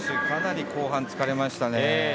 かなり後半、疲れましたね。